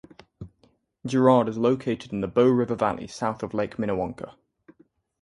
Girouard is located in the Bow River valley south of Lake Minnewanka.